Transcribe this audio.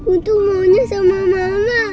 untuk maunya sama mama